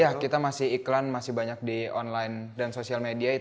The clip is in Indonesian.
iya kita masih iklan masih banyak di online dan social media